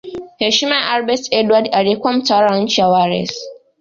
Heshima ya Albert Edward aliyekuwa mtawala wa nchi ya Wales